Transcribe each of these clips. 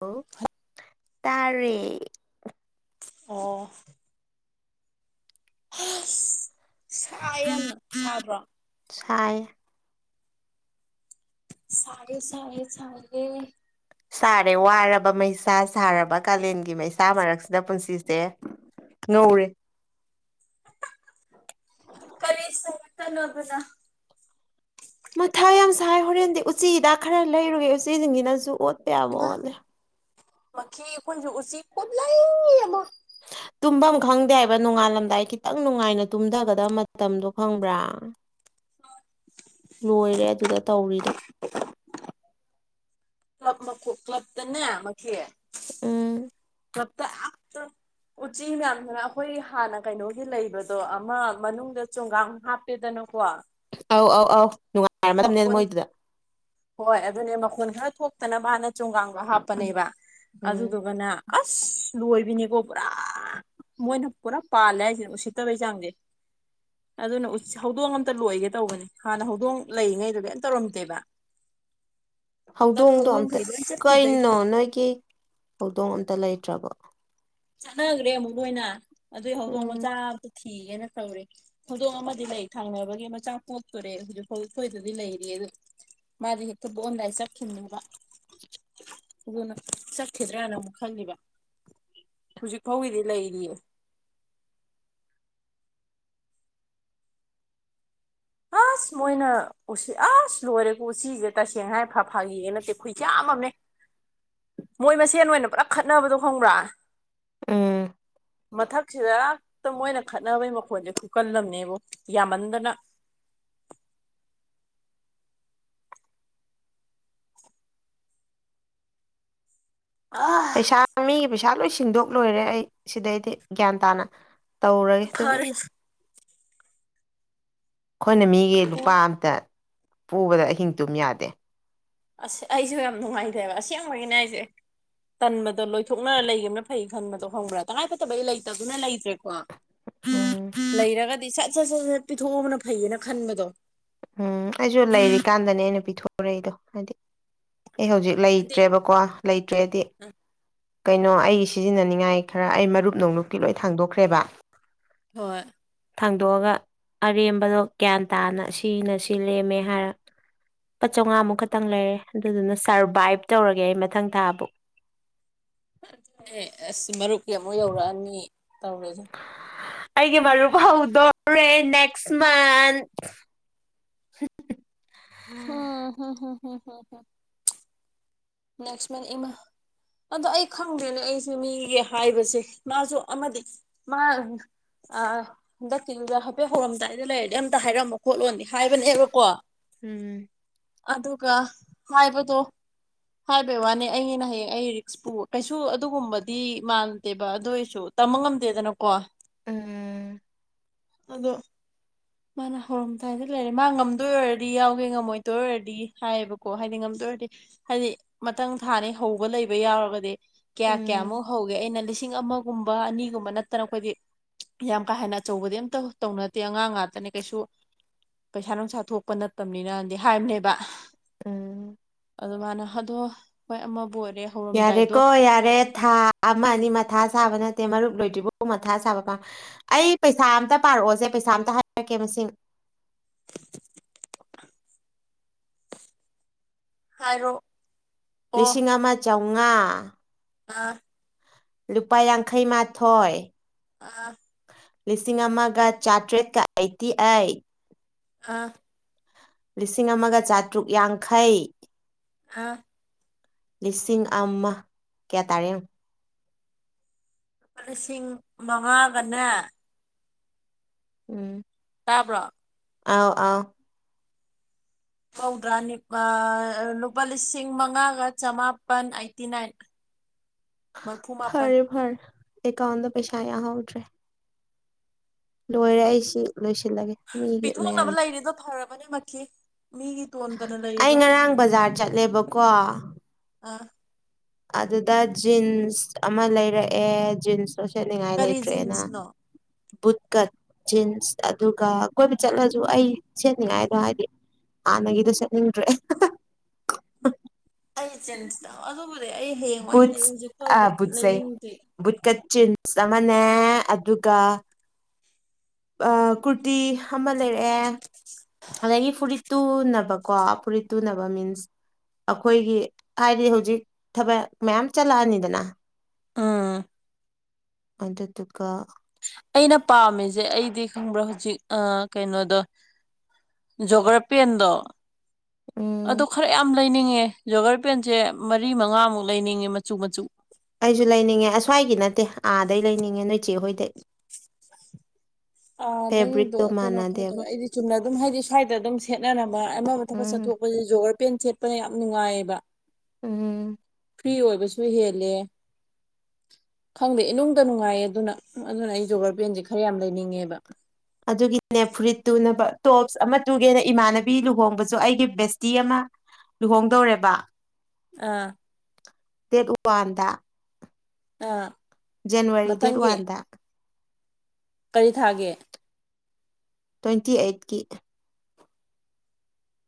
ꯑꯣ ꯇꯔꯦ ꯑꯣ ꯁꯥ ꯌꯥꯝꯅ ꯁꯥꯕ꯭ꯔꯣ ꯁꯥꯏ ꯁꯔꯦ ꯁꯔꯦ ꯆꯥꯡꯦ ꯁꯥꯔꯦ ꯋꯥꯔꯕ ꯃꯩꯁꯥ ꯁꯥꯔꯕ ꯀꯥꯂꯦꯟꯒꯤ ꯃꯩꯁꯥ ꯃꯔꯛꯁꯤꯗ ꯄꯨꯟꯁꯤꯁꯦ ꯅꯧꯔꯤꯦ ꯀꯔꯤꯦ ꯇ ꯅꯣꯕꯗ ꯃꯊꯥ ꯌꯥꯝ ꯁꯥꯏ ꯍꯣꯔꯦꯟꯗꯤ ꯎꯆꯤꯗ ꯈꯔ ꯂꯩꯔꯨꯒꯦ ꯎꯆꯤꯁꯤꯡꯁꯤꯅꯁꯨ ꯑꯣꯠꯄ ꯌꯥꯕ ꯑꯣꯠꯂꯦ ꯃ ꯑꯩꯈꯣꯏ ꯎ ꯎꯆ ꯄꯨꯠꯂ ꯑꯃ ꯇꯨꯝꯐꯝ ꯈꯪꯗꯦ ꯍꯥꯏꯕ ꯅꯣꯡꯉꯥꯜꯂꯝꯗꯥꯏ ꯈꯤꯇꯪ ꯅꯨꯡꯉꯥꯏꯅ ꯇꯨꯝꯊꯒꯗꯕ ꯃꯇꯝꯗꯣ ꯈꯪꯕ꯭ꯔꯥ ꯂꯣꯏꯔꯦ ꯑꯗꯨꯗ ꯇꯧꯔꯤꯗꯣ ꯀ꯭ꯂꯕ ꯀ꯭ꯂꯕ ꯇꯅꯦ ꯃꯈꯦ ꯎꯝ ꯀꯂ꯭ꯕꯇ ꯎꯆꯤ ꯃꯌꯥꯝꯗꯨꯅ ꯑꯩꯈꯣꯏ ꯍꯥꯟꯅ ꯀꯩꯅꯣꯒꯤ ꯂꯩꯕꯗꯣ ꯑꯃ ꯃꯅꯨꯡꯗ ꯆꯣꯡꯒꯥꯡ ꯍꯥꯞ ꯗꯅꯀꯣ ꯑꯧ ꯑꯧ ꯑꯧ ꯅꯨꯡꯉꯥꯏꯔꯝꯗꯕꯅꯦ ꯃꯣꯏꯗꯨꯗ ꯍꯣꯏ ꯑꯗꯨꯅꯦ ꯃꯈꯣꯟ ꯈꯔ ꯊꯣꯛꯇꯅꯕ ꯃꯥꯅ ꯆꯣꯡꯒꯥꯡꯗꯣ ꯍꯥꯞꯄꯅꯦꯕ ꯎꯝ ꯑꯗꯨꯗꯨꯒꯅ ꯑꯁ ꯂꯣꯏꯕꯤꯅꯤꯀꯣ ꯄꯨꯔꯥ ꯃꯣꯏꯣꯏꯅ ꯄꯨꯥ ꯄꯥ ꯂꯦ ꯁꯤ ꯇꯕꯖꯥꯡꯒꯦ ꯑꯗꯨꯅ ꯍꯧꯗꯣꯡ ꯑ ꯑꯃꯝꯇ ꯂꯣꯏꯒꯦ ꯇꯧꯕꯅꯦ ꯍꯥꯟꯅ ꯍꯧꯗꯣꯡ ꯂꯩꯔꯤꯉꯩꯗ ꯀꯩꯝ ꯇꯧꯔꯝꯗꯦꯕ ꯍꯟꯗꯛ ꯍꯧꯗꯣꯡꯗꯣ ꯑꯝꯇ ꯍꯧꯗꯣꯡꯈꯩ ꯂꯣꯏ ꯆꯠꯈꯤꯕꯗꯩꯗꯤ ꯀꯩꯅꯣ ꯅꯣꯏꯒꯤ ꯍꯧꯗꯣꯡ ꯑꯝꯇ ꯂꯩꯇ꯭ꯔꯕꯣ ꯆꯠꯅꯈ꯭ꯔꯦ ꯑꯃꯨꯛ ꯂꯣꯏꯅ ꯑꯗꯨꯏ ꯍꯧꯗꯛ ꯎꯝ ꯃꯆꯥꯇ ꯊꯤꯒꯦꯅ ꯀꯧꯔꯦ ꯊꯧꯗꯣꯡ ꯑꯃꯗꯤ ꯂꯩ ꯊꯥꯡꯅꯕꯒꯤ ꯃꯆꯥꯛ ꯄꯣꯇꯣꯔꯦ ꯍꯧꯖꯤꯛꯐꯥꯎ ꯁꯣꯏꯗꯗꯤ ꯂꯩꯔꯤ ꯑꯗꯨ ꯃꯥꯒꯤ ꯍꯦꯛꯇꯣ ꯣꯟꯗꯥ ꯍꯥꯏ ꯆ ꯈꯈꯤꯅꯤꯕ ꯑꯗꯨꯅ ꯆꯠꯈꯤꯗ꯭ꯔꯅ ꯑꯃꯨꯛ ꯈꯜꯂꯤꯕ ꯍꯧꯖꯤꯛ ꯐꯥꯎꯒꯤꯗꯤ ꯂꯩꯔꯤꯌꯦ ꯑꯁ ꯃꯣꯏꯅ ꯎꯁꯤ ꯑꯁ ꯂꯣꯏꯔꯦꯀꯣ ꯎꯆꯤꯁꯦ ꯇꯁꯦꯡꯅ ꯍꯥꯏ ꯐ ꯐꯥꯒꯤꯌꯦ ꯅꯠꯇꯦ ꯑꯩꯈꯣꯏ ꯌꯥꯝꯑꯝꯃꯦ ꯃꯣꯏ ꯃꯁꯦꯟ ꯑꯣꯏꯅ ꯄꯨꯂꯞ ꯈꯠꯅꯕꯗꯣ ꯈꯪꯕ꯭ꯔꯥ ꯎꯝ ꯃꯊꯛꯁꯤꯗ ꯇ ꯃꯣꯏꯅ ꯈꯠꯅꯕꯩ ꯃꯈꯣꯟꯁꯦ ꯈꯨꯀꯜꯂꯝꯅꯦꯕ ꯌꯥꯝꯃꯟꯗꯅ ꯑꯥ ꯄꯩꯁꯥ ꯃꯤꯒꯤ ꯄꯩꯁꯥ ꯂꯣꯏ ꯁꯤꯟꯗꯣꯛ ꯂꯣꯏꯔꯦ ꯑꯩ ꯁꯤꯗꯩꯗꯤ ꯒ꯭ꯌꯥꯟ ꯇꯥꯅ ꯇꯧꯔꯒꯦ ꯐꯔꯦ ꯇꯨꯃꯤꯟꯅ ꯑꯩꯈꯣꯏꯅ ꯃꯤꯒꯤ ꯂꯨꯄꯥ ꯑꯝꯇ ꯄꯨꯕꯗ ꯑꯍꯤꯡꯗꯨꯝ ꯌꯥꯗꯦ ꯑꯁ ꯑꯩꯁꯨ ꯌꯥꯝ ꯅꯨꯡꯉꯥꯏꯇꯦꯕ ꯑꯁꯦꯡꯕꯒꯤꯅꯦ ꯑꯩꯁꯦ ꯇꯟꯕꯗꯣ ꯂꯣꯏꯊꯣꯛꯅ ꯂꯩꯈꯤꯕꯅ ꯐꯩ ꯈꯟꯕꯗꯣ ꯍꯪꯕ꯭ꯔꯥ ꯇꯉꯥꯏ ꯐꯗꯕ ꯑꯩ ꯂꯩꯇꯗꯨꯅ ꯂꯩꯇ꯭ꯔꯦꯀꯣ ꯎꯝ ꯂꯩꯔꯒꯗꯤ ꯁꯠ ꯁꯠ ꯁꯠ ꯁꯠ ꯄꯤꯊꯣꯛꯑꯕꯅ ꯐꯩꯌꯦꯅ ꯈꯟꯕꯗꯣ ꯎꯝ ꯑꯩꯁꯨ ꯂꯩꯔꯤꯀꯥꯟꯗꯅꯦ ꯑꯩꯅ ꯄꯤꯊꯣꯔꯛꯏꯗꯣ ꯍꯥꯏꯗꯤ ꯑꯩ ꯍꯧꯖꯤꯛ ꯍꯥꯏꯗꯤ ꯂꯩꯇ꯭ꯔꯦꯕꯀꯣ ꯂꯩꯇ꯭ꯔꯦꯗꯤ ꯀꯩꯅꯣ ꯑꯩ ꯁꯤꯖꯤꯟꯅꯅꯤꯡꯉꯥꯏ ꯈꯔ ꯑꯩ ꯃꯔꯨꯞ ꯅꯨꯡꯂꯨꯞꯀꯤ ꯂꯣꯏ ꯊꯥꯡꯗꯣꯛꯈ꯭ꯔꯦꯕ ꯍꯣꯏ ꯊꯥꯡꯗꯣꯛꯑꯒ ꯑꯔꯦꯝꯕꯗꯣ ꯒ꯭ꯌꯥꯟ ꯇꯥꯅ ꯁꯤꯅ ꯁꯤ ꯂꯦꯝꯃꯦ ꯍꯥꯏꯔ ꯂꯨꯄꯥ ꯆꯝꯉꯥꯃꯨꯛ ꯈꯛꯇꯪ ꯂꯩꯔꯦ ꯑꯗꯨꯗꯨꯅ ꯁꯔꯚꯏꯞ ꯇꯧꯔꯒꯦ ꯑꯩ ꯃꯊꯪ ꯊꯥꯕꯨ ꯑꯗꯨ ꯑꯁ ꯃꯔꯨꯞꯀꯤ ꯑꯃꯨꯛ ꯌꯧꯔꯛꯑꯅꯤ ꯇꯧꯔꯦ ꯑꯩꯒꯤ ꯃꯔꯨꯞ ꯐꯥꯎꯗꯧꯔꯦ ꯅꯦꯛꯁ ꯃꯟꯇ [inaudible] ꯎꯝ ꯍꯝ ꯍꯝ ꯅꯦꯛꯁ ꯃꯟ ꯏꯃꯥ ꯑꯗꯣ ꯑꯩ ꯈꯪꯗꯦꯅꯦ ꯑꯩꯁꯦ ꯃꯤꯒꯤ ꯍꯥꯏꯕꯁꯦ ꯃꯥꯁꯨ ꯑꯃꯗꯤ ꯃꯥ ꯑꯥ ꯍꯟꯗꯛꯀꯤꯤꯡꯗ ꯍꯥꯏꯐꯦꯠ ꯍꯧꯔꯝꯗꯥꯏꯗ ꯂꯩꯔꯗꯤ ꯑꯝꯇ ꯍꯥꯏꯔꯝꯃꯣ ꯈꯣꯠꯂꯣꯗꯤ ꯍꯥꯏꯕꯅꯦꯕꯀꯣ ꯎꯝ ꯑꯗꯨꯒ ꯍꯥꯏꯕꯗꯣ ꯍꯥꯏꯕꯩ ꯋꯥꯅꯤ ꯑꯩꯩꯅ ꯍꯌꯦꯡ ꯑꯩ ꯔꯤꯛꯁꯄꯨ ꯀꯩꯁꯨ ꯑꯗꯨꯒꯨꯝꯕꯗꯤ ꯃꯥꯟꯗꯦꯕ ꯑꯗꯣꯏꯁꯨ ꯇꯝꯕ ꯉꯝꯗꯦꯗꯅꯀꯣ ꯎꯝ ꯑꯗꯣ ꯃꯥꯅ ꯍꯧꯔꯝꯗꯥꯏꯗ ꯂꯩꯔꯦ ꯃꯥ ꯉꯝꯗꯣꯏ ꯑꯣꯏꯔꯗꯤ ꯌꯥꯎꯒꯦ ꯉꯝꯃꯣꯏꯗꯣꯏ ꯑꯣꯏꯔꯗꯤ ꯍꯥꯏꯌꯦꯕꯀꯣ ꯍꯥꯏꯗꯤ ꯉꯝꯗꯣꯏꯔꯗꯤ ꯍꯥꯏꯗꯤ ꯃꯊꯪ ꯊꯥꯅꯤ ꯍꯧꯕ ꯂꯩꯕ ꯌꯥꯎꯔꯒꯗꯤ ꯀꯌꯥ ꯎꯝ ꯀꯌꯥꯃꯨꯛ ꯍꯧꯒꯦ ꯑꯩꯅ ꯂꯤꯁꯤꯡ ꯑꯃ ꯒꯨꯝꯕ ꯑꯅꯤꯒꯨꯝꯕ ꯅꯠꯇꯅ ꯑꯩꯈꯣꯏꯗꯤ ꯌꯥꯝ ꯀꯥ ꯍꯦꯟꯅ ꯑꯆꯧꯕꯗꯤ ꯑꯝꯇ ꯇꯧꯅꯗꯦ ꯑꯉꯥꯡ ꯉꯥꯛꯇ ꯉꯇꯅꯦ ꯀꯩꯁꯨ ꯄꯩꯁꯥ ꯅꯨꯡꯁꯥ ꯊꯣꯛꯄ ꯅꯠꯇꯕꯅꯤꯅꯗꯤ ꯍꯥꯏꯕꯅꯦꯕ ꯎꯝ ꯑꯗꯨ ꯃꯥꯅ ꯑꯗꯣ ꯍꯣꯏ ꯑꯃꯕꯨ ꯑꯣꯏꯔꯦ ꯍꯧꯔꯝꯗꯥꯏꯗꯣ ꯌꯥꯔꯦꯀꯣ ꯌꯥꯔꯦ ꯊꯥ ꯑꯃ ꯑꯅꯤ ꯃꯊꯥ ꯁꯥꯕ ꯅꯠꯇꯦ ꯃꯔꯨꯞ ꯂꯣꯏꯗ꯭ꯔꯤꯕꯥꯎ ꯃꯊꯥ ꯁꯥꯕ ꯄꯥꯝ ꯑꯩ ꯄꯩꯁꯥ ꯑꯝꯇ ꯄꯥꯔꯛꯑꯣꯁꯦ ꯄꯩꯁꯥ ꯑꯝꯇ ꯍꯥꯏꯔꯛꯀꯦ ꯃꯁꯤꯡ ꯍꯥꯏꯔꯣ ꯂꯤꯁꯤꯡ ꯑꯃ ꯆꯥꯝꯃꯉꯥ ꯑꯥ ꯂꯨꯄꯥ ꯌꯥꯡꯈꯩ ꯃꯥꯊꯣꯏ ꯑꯥ ꯂꯤꯁꯤꯡ ꯑꯃꯒ ꯆꯥꯇ꯭ꯔꯦꯠꯀ ꯑꯩꯠꯇꯤ ꯑꯩꯠ ꯑꯥ ꯂꯤꯁꯤꯡ ꯑꯃꯒ ꯆꯥꯇ꯭ꯔꯨꯛ ꯌꯥꯡꯈꯩ ꯍꯥꯥ ꯂꯤꯁꯤꯡ ꯑꯃ ꯀꯌꯥ ꯇꯔꯦ ꯂꯨꯄꯥ ꯂꯤꯁꯤꯡ ꯃꯉꯥꯒꯅꯦ ꯎꯝ ꯇꯥꯕ꯭ꯔꯣ ꯑꯥꯎ ꯑꯥꯎ ꯐꯧꯗ꯭ꯔꯥꯅꯤ ꯂꯨꯄꯥ ꯂꯤꯁꯤꯡ ꯃꯉꯥꯒ ꯆꯃꯥꯄꯜ ꯑꯥꯏꯠꯇꯤ ꯅꯥꯏꯟ [unintelligible] ꯃꯥꯄꯜ ꯐꯔꯦ ꯐꯔꯦ ꯑꯦꯀꯥꯎꯟꯗ ꯄꯩꯁꯥ ꯌꯥꯝ ꯍꯧꯗ꯭ꯔꯦ ꯂꯣꯏꯔꯦ ꯑꯩꯁꯤ ꯂꯣꯏꯁꯤꯜꯂꯒꯦ ꯃꯤꯒꯤ ꯄꯤꯊꯣꯛꯅꯕ ꯃꯌꯥꯝ ꯂꯩꯔꯤꯗꯣ ꯐꯔꯕꯅꯤꯃꯛꯀꯤ ꯃꯤꯒꯤ ꯇꯣꯟꯗꯅ ꯑꯩ ꯂꯩꯔꯤꯗꯣ ꯉꯔꯥꯡ ꯕꯖꯥꯔ ꯆꯠꯂꯦꯕꯀꯣ ꯑꯥ ꯑꯗꯨꯗ ꯖꯤꯟꯁ ꯑꯃ ꯂꯩꯔꯛꯑꯦ ꯖꯤꯟꯁ ꯆꯣ ꯁꯦꯠꯅꯤꯉꯥꯏ ꯀꯔꯤ ꯂꯩꯇ꯭ꯔꯦꯅ ꯖꯤꯟꯁꯅꯣ ꯕꯨꯠ ꯀꯠ ꯖꯤꯟꯁ ꯑꯗꯨꯒ ꯀꯣꯏꯕ ꯆꯠꯂꯁꯨ ꯑꯩ ꯁꯦꯠꯅꯤꯡꯉꯥꯏꯗꯣ ꯍꯥꯏꯗꯤ ꯍꯥꯟꯅꯒꯤꯗꯣ ꯁꯦꯠꯅꯤꯡꯗ꯭ꯔꯦ ꯑꯩ ꯏꯆꯤꯟꯁꯤꯗ ꯑꯗꯨꯕꯨꯗꯤ ꯑꯩ ꯍꯦꯡꯉꯣꯏ ꯂꯩ ꯍꯧꯖꯤꯛ ꯐꯥꯎꯗꯤ ꯂꯩꯅꯤꯡꯗꯤ ꯕꯨꯠꯀꯠ ꯆꯤꯟꯁ ꯑꯃꯅꯦ ꯑꯗꯨꯒ ꯑ ꯀꯨꯔꯇꯤ ꯑꯃ ꯂꯩꯔꯛꯑꯦ ꯑꯗꯒꯤ ꯐꯨꯔꯤꯠ ꯇꯨꯅꯕ ꯀꯣ ꯎꯄꯔꯤꯠ ꯇꯨꯅꯕ ꯃꯤꯟꯁ ꯑꯩꯈꯣꯏꯒꯤ ꯍꯥꯏꯗꯤ ꯍꯧꯖꯤꯛ ꯊꯕꯛ ꯃꯌꯥꯝ ꯆꯠꯂꯛꯑꯅꯤꯗꯅ ꯑꯥ ꯑꯗꯗꯨꯒ ꯑꯩꯅ ꯄꯥꯝꯃꯤꯁꯦ ꯑꯩꯗꯤ ꯈꯪꯕ꯭ꯔꯣ ꯍꯧꯖꯤꯛ ꯑ ꯀꯩꯅꯣꯗꯣ ꯖꯣꯒ꯭ꯔꯥꯐꯤ ꯑꯟꯗꯣ ꯎꯝ ꯑꯗꯣ ꯈꯔ ꯌꯥꯝ ꯂꯩꯅꯤꯡꯉꯦ ꯖꯣꯒꯔ ꯄꯦꯟꯁꯦ ꯃꯔꯤ ꯃꯉꯥꯃꯨꯛ ꯂꯩꯅꯤꯡꯉꯦ ꯃꯆꯨ ꯃꯆꯨ ꯑꯩꯁꯨ ꯂꯩꯅꯤꯡꯉꯦ ꯑꯁ꯭ꯋꯥꯏꯒꯤ ꯅꯠꯇꯦ ꯑꯥꯗꯩ ꯂꯩꯅꯤꯡꯉꯦ ꯅꯣꯏꯆꯦꯍꯣꯏꯗꯩ [unintelligible] ꯑ ꯅꯪꯗꯣ ꯐꯦꯕ꯭ꯔꯤꯛꯇꯣ ꯀꯩꯅꯣ ꯈꯔ ꯇꯧ ꯃꯥꯟꯅꯗꯦꯕ ꯑꯩꯗꯤ ꯆꯨꯝꯅ ꯑꯗꯨꯝ ꯍꯥꯏꯗꯤ ꯁ꯭ꯋꯥꯏꯗ ꯑꯗꯨꯝ ꯁꯦꯠꯅꯔꯅꯕ ꯑꯃꯕꯨ ꯊꯕꯛ ꯎꯝ ꯆꯠꯊꯣꯛꯄꯁꯤ ꯏꯄꯦꯟ ꯁꯦꯠꯄꯅ ꯌꯥꯝ ꯅꯨꯡꯉꯥꯏꯑꯕ ꯎꯝ ꯐ꯭ꯔꯤ ꯑꯣꯏꯕꯁꯨ ꯍꯦꯜꯂꯦ ꯈꯪꯗꯦ ꯏꯅꯨꯡꯗ ꯅꯨꯡꯉꯥꯏꯌꯦ ꯑꯗꯨꯅ ꯑꯗꯨꯅ ꯑꯩ ꯖꯣꯒꯔ ꯄꯦꯟꯁꯦ ꯈꯔ ꯌꯥꯝ ꯂꯩꯅꯤꯡꯉꯦꯕ ꯑꯗꯨꯒꯤꯅꯦ ꯐꯨꯔꯤꯠ ꯇꯨꯅꯕ ꯇꯣꯞꯁ ꯑꯃ ꯇꯨꯒꯦꯅ ꯏꯃꯥꯟꯅꯕꯤ ꯂꯨꯍꯣꯡꯕꯁꯨ ꯑꯩꯒꯤ ꯕꯦꯁꯇꯤ ꯑꯃ ꯂꯨꯍꯣꯡꯗꯧꯔꯦꯕ ꯑꯥ ꯗꯦꯠ ꯋꯥꯟꯗ ꯑꯥ ꯖꯅꯋꯥꯔꯤ ꯗꯦꯠ ꯃꯊꯪꯒꯤ ꯋꯥꯟꯗ ꯀꯔꯤ ꯊꯥꯒꯦ ꯇ꯭ꯋꯦꯟꯇꯤ ꯑꯩꯠꯀꯤ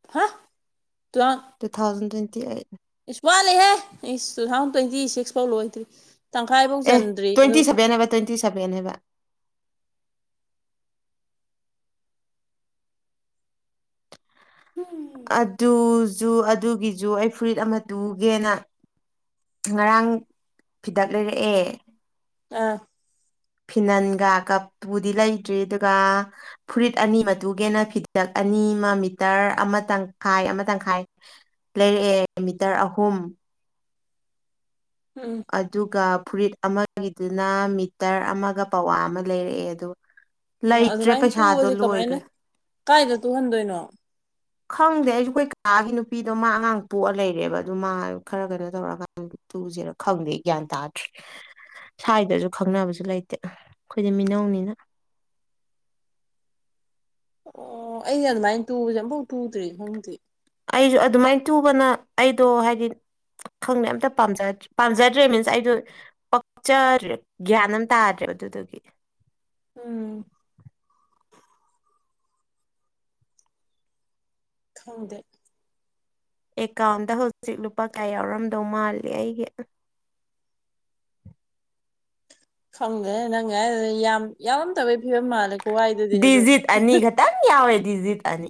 [unintelligible] ꯇꯨ ꯊꯥꯎꯖꯟ ꯇ꯭ꯋꯦꯟꯇꯤ ꯑꯩꯠ ꯑꯁ ꯋꯥꯠꯂꯤꯦꯍꯦ ꯑꯩ ꯇꯨ ꯊꯥꯎꯖꯟ ꯇ꯭ꯋꯦꯟꯇꯤ ꯁꯤꯛꯁ ꯐꯥꯎ ꯂꯣꯏꯗ꯭ꯔꯤ ꯇꯪꯈꯥꯏꯐꯥꯎ ꯑꯦ ꯆꯟꯗ꯭ꯔꯤ ꯑꯣ ꯇ꯭ꯋꯦꯟꯇꯤ ꯁꯚꯦꯟ ꯍꯥꯏꯕ ꯇ꯭ꯋꯦꯟꯇꯤ ꯁꯚꯦꯟ ꯍꯥꯏꯕ ꯎꯝ ꯑꯗꯨ ꯖꯨ ꯑꯗꯨꯒꯤꯖꯨ ꯑꯩ ꯐꯨꯔꯤꯠ ꯑꯃ ꯇꯨꯒꯦꯅ ꯉꯔꯥꯡ ꯐꯤꯗꯛ ꯂꯩꯔꯛꯑꯦ ꯑꯥ ꯐꯤꯅꯟꯒ ꯀꯞꯄꯨꯗꯤ ꯂꯩꯇ꯭ꯔꯤ ꯑꯗꯨꯒ ꯐꯨꯔꯤꯠ ꯑꯅꯤ ꯃꯇꯨꯒꯦꯅ ꯐꯤꯗꯛ ꯑꯅꯤ ꯑꯃ ꯃꯤꯇꯔ ꯑꯃ ꯇꯪꯈꯥꯏ ꯑꯃ ꯇꯪꯈꯥꯏ ꯂꯩꯔꯛꯑꯦ ꯃꯤꯇꯔ ꯑꯍꯨꯝ ꯎꯝ ꯑꯗꯨꯒ ꯐꯨꯔꯤꯠ ꯑꯃꯒꯤꯗꯨꯅ ꯃꯤꯇꯔ ꯑꯃꯒ ꯄꯋꯥ ꯑꯃ ꯂꯩꯔꯛꯑꯦ ꯑꯗꯣ ꯑꯗꯨꯃꯥꯏꯅ ꯇꯨꯕꯁꯦ ꯀꯃꯥꯏꯅ ꯀꯥꯏꯗ ꯇꯨꯍꯟꯗꯣꯏꯅꯣ? ꯈꯪꯗꯦ ꯑꯩꯁꯨ ꯑꯩꯈꯣꯏ ꯀꯥꯒꯤ ꯅꯨꯄꯤꯗꯣ ꯃꯥ ꯑꯉꯥꯡ ꯇꯣꯛꯑ ꯂꯩꯔꯦꯕ ꯑꯗꯨ ꯃꯥ ꯈꯔ ꯀꯩꯅꯣ ꯇꯧꯔꯛꯀꯥꯟꯗ꯫ ꯇꯨꯖꯔꯛ ꯈꯪꯗꯦ ꯒ꯭ꯌꯥꯟ ꯇꯥꯗ꯭ꯔꯤ ꯁ꯭ꯋꯥꯏꯗꯁꯨ ꯈꯪꯅꯕꯁꯨ ꯂꯩꯇꯦ ꯑꯩꯈꯣꯏꯗꯤ ꯃꯤꯅꯧꯅꯤꯅ ꯑꯣ ꯑꯩꯩꯗꯤ ꯑꯗꯨꯃꯥꯏꯅ ꯇꯨꯕꯁꯦ ꯑꯃꯝꯐꯥꯎ ꯇꯨꯗ꯭ꯔꯤ ꯈꯪꯗꯦ꯫ ꯑꯩꯁꯨ ꯑꯗꯨꯃꯥꯏ ꯇꯨꯕꯅ ꯑꯩꯗꯣ ꯍꯥꯏꯗꯤ ꯈꯪꯗꯦ ꯑꯝꯇ ꯄꯥꯝꯖ ꯄꯥꯝꯖꯗ꯭ꯔꯦ ꯃꯤꯟꯁ ꯑꯩꯗꯣ ꯄꯛꯆꯔꯦ ꯒ꯭ꯌꯥꯟ ꯑꯃ ꯇꯥꯔꯦ ꯑꯗꯨꯗꯨꯒꯤ ꯎꯝ ꯈꯪꯗꯦ꯫ ꯑꯦꯀꯥꯎꯟꯗ ꯍꯧꯖꯤꯛ ꯂꯨꯄꯥ ꯀꯌꯥ ꯌꯥꯎꯔꯝꯗꯧ ꯃꯥꯜꯂꯤ ꯑꯩꯒꯤ ꯈꯪꯗꯦ ꯅꯪ ꯉꯥꯏ ꯌꯥꯝ ꯌꯥꯎꯔꯝꯗꯕꯒꯤ ꯐꯤꯕꯝ ꯃꯥꯜꯂꯦꯀꯣꯋꯥꯏꯗꯨꯗꯤ ꯑꯗꯨꯗ ꯃꯌꯥꯝ ꯌꯥꯋꯥꯦꯗꯤꯖꯤꯗ ꯑꯅꯤ꯫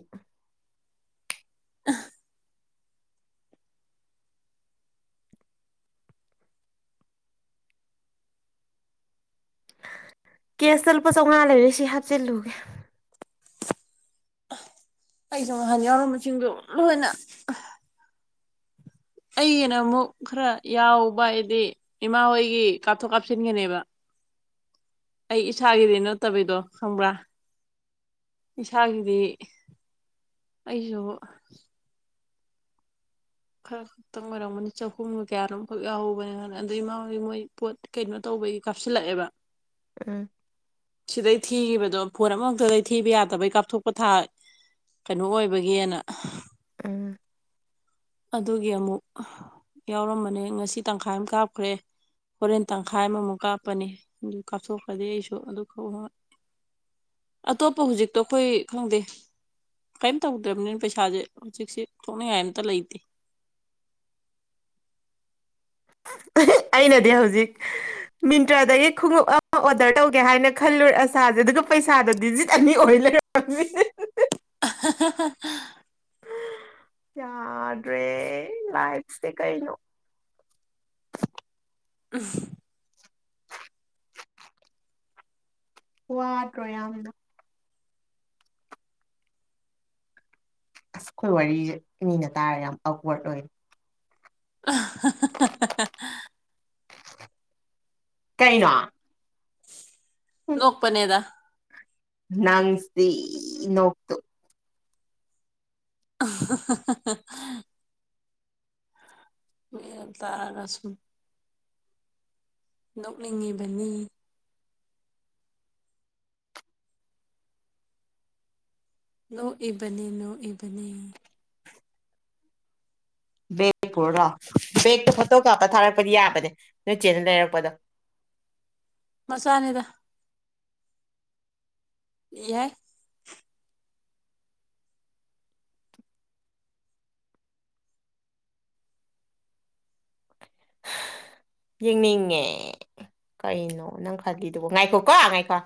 ꯀꯦꯁꯇ ꯂꯨꯄꯥ ꯆꯥꯃꯉꯥ ꯂꯩꯔꯦ ꯁꯤ ꯍꯥꯞꯆꯤꯜꯂꯨꯒꯦ꯫ ꯑꯩꯩ ꯁꯣꯝꯗ ꯅꯍꯥꯟ ꯌꯥꯎꯔꯝꯕꯁꯤꯡꯗꯣ ꯂꯣꯏꯅ ꯑꯩꯩꯅ ꯑꯃꯨꯛ ꯈꯔ ꯌꯥꯎꯕ ꯍꯥꯏꯗꯤ ꯏꯃꯥ ꯍꯣꯏꯒꯤ ꯀꯥꯞꯊꯣꯛ ꯀꯥꯞꯁꯤꯟꯒꯅꯦꯕ꯫ ꯑꯩ ꯏꯁꯥꯒꯤꯗꯤ ꯅꯠꯇꯕꯤꯗꯣ ꯈꯪꯕ꯭ꯔꯥ? ꯏꯁꯥꯒꯤꯗꯤ ꯑꯩꯁꯨ ꯈ ꯈꯈꯤꯇꯪ ꯑꯣꯏꯔꯝꯝꯕꯅꯤ ꯆꯍꯨꯝꯒꯣ ꯀꯌꯥꯔꯣꯝꯈꯛ ꯌꯥꯎꯍꯧꯕꯅꯅ ꯑꯗꯩ ꯏꯃꯥꯡꯒꯤ ꯃꯣꯏ ꯄꯣꯠ ꯀꯩꯅꯣ ꯇꯧꯕꯒꯤ ꯀꯥꯞꯁꯤꯜꯂꯛꯑꯦꯕ [inaudible] ꯎꯝ ꯁꯤꯗꯩ ꯊꯤꯈꯤꯕꯗꯣ ꯐꯣꯟ ꯑꯃꯃꯛꯇꯗꯩ ꯊꯤꯕ ꯌꯥꯗꯕꯩ ꯀꯥꯞꯊꯣꯛꯄ ꯊꯥ ꯀꯩꯅꯣ ꯑꯣꯏꯕꯒꯤꯅ ꯎꯝ ꯑꯗꯨꯒꯤ ꯑꯃꯨꯛ ꯌꯥꯎꯔꯝꯕꯅꯦ ꯉꯁꯤ ꯇꯪꯈꯥꯏ ꯑꯃ ꯀꯥꯞꯈ꯭ꯔꯦ꯫ ꯍꯣꯔꯦꯟ ꯇꯪꯈꯥꯏ ꯑꯃꯃꯨꯛ ꯀꯥꯞꯄꯅꯤ ꯑꯗꯨ ꯀꯥꯞꯊꯣꯛꯄꯗꯤ ꯑꯩꯁꯨ ꯑꯗꯨ ꯑꯇꯣꯞꯄ ꯍꯧꯖꯤꯛꯇꯣ ꯑꯩꯈꯣꯏ ꯈꯪꯗꯦ꯫ ꯀꯔꯤꯝ ꯇꯧꯗ꯭ꯔꯕꯅꯤꯅ ꯄꯩꯁꯥꯁꯦ ꯍꯧꯖꯤꯛꯁꯦ ꯊꯣꯛꯅꯤꯡꯉꯥꯏ ꯑꯝꯇ ꯂꯩ ꯑꯩꯅꯗꯤ ꯍꯧꯖꯤꯛ ꯃꯤꯟꯇ꯭ꯔꯗꯒꯤ ꯈꯣꯡꯎꯞ ꯑꯃ ꯑꯣꯔꯗꯔ ꯇꯧꯒꯦ ꯍꯥꯏꯅ ꯈꯜꯂꯨꯔꯦ ꯑꯁꯥꯁꯦ ꯑꯗꯨꯒ ꯄꯩꯁꯥꯗꯣ ꯗꯤꯖꯤꯠ ꯑꯅꯤ ꯑꯣꯏ ꯂꯩ [unintelligible] [unintelligible] ꯌꯥꯗ꯭ꯔꯦ ꯂꯥꯏꯞꯁꯦ ꯀꯩꯅꯣ ꯑꯝ ꯋꯥꯗ꯭ꯔꯣ ꯌꯥꯝꯅ ꯑꯁ ꯑꯩꯈꯣꯏ ꯋꯥꯔꯤꯁꯦ ꯃꯤꯅ ꯇꯥꯔꯦ ꯌꯥꯝ ꯑꯞꯋꯥꯔꯗ ꯑꯣꯏ [unintelligible] ꯀꯩꯅꯣ ꯂꯣꯛꯄꯅꯦꯗ ꯅꯪꯁꯤ ꯅꯣꯛꯇꯨ [unintelligible] ꯃꯌꯥꯝ ꯇꯥꯔꯒ ꯁꯨꯝ ꯅꯣꯛꯅꯤꯡꯉꯤꯕꯅꯤ꯫ ꯅꯣ ꯏꯕꯅꯤ ꯅꯣ ꯏꯕꯅꯤ꯫ ꯕꯦꯒ ꯄꯨꯔꯣ ꯕꯦꯒꯛꯇꯣ ꯐꯣꯇꯣ ꯀꯥꯞꯇ ꯊꯥꯔꯛꯄꯗꯤ ꯌꯥꯕꯅꯦ ꯅꯣꯏꯆꯦꯅ ꯂꯩꯔꯛꯄꯗꯣ ꯃꯁꯥꯅꯦꯗ ꯌꯥꯏ ꯫ ꯌꯦꯡꯅꯤꯡꯉꯦ ꯀꯩꯅꯣ ꯅꯪ ꯈꯜꯂꯤꯗꯨꯕꯣ ꯉꯥꯏꯈꯣꯀꯣ ꯉꯥꯏꯈꯣ